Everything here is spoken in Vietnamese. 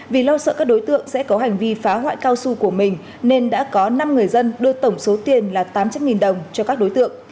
vì lo sợ các đối tượng sẽ có hành vi phá hoại cao su của mình nên đã có năm người dân đưa tổng số tiền là tám trăm linh đồng cho các đối tượng